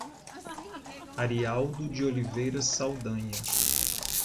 Arialdo de Oliveira Saldanha